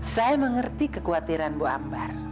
saya mengerti kekhawatiran bu ambar